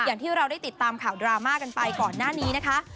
อย่างที่เราได้ติดตามข่าวดราม่ากันไปก่อนหน้านี้นะคะ